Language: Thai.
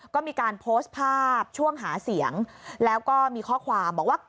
ก็มีการโพสต์ภาพช่วงหาเสียงแล้วก็มีข้อความบอกว่า